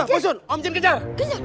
bosun om jin kejar